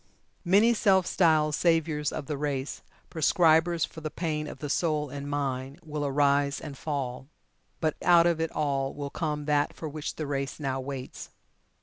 Many self styled saviours of the race prescribers for the pain of the soul and mind will arise and fall. But out of it all will come that for which the race now waits.